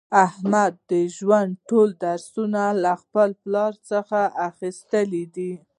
احمد د ژوند ټول درسونه له خپل پلار څخه اخیستي دي.